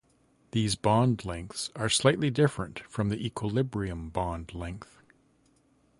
These bond lengths are slightly different from the equilibrium bond length.